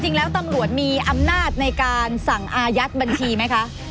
ตำรวจมีอำนาจในการสั่งอายัดบัญชีไหมคะ